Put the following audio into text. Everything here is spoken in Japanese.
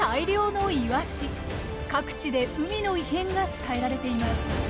各地で海の異変が伝えられています。